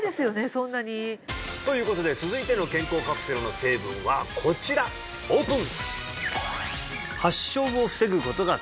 そんなにということで続いての健康カプセルの成分はこちらオープン！